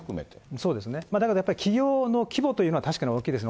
そうですね、やっぱり企業の規模というのは確かに大きいですね。